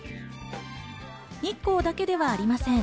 日光だけではありません。